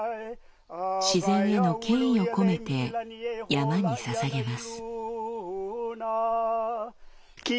自然への敬意を込めて山に捧げます。